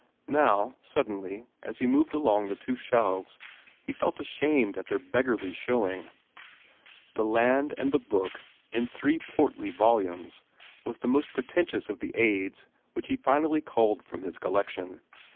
Now, suddenly, as he moved along the two shelves, he felt ashamed at their beggarly showing. "The Land and the Book," in three portly volumes, was the most pretentious of the aids which he finally culled from his collection.